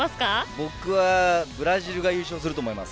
僕は、ブラジルが優勝すると思います。